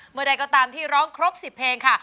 เมื่อใดก็ตามที่ร้องครบ๑๐เพลงค่ะ